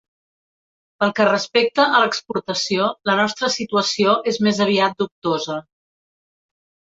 Pel que respecta a l'exportació, la nostra situació és més aviat dubtosa.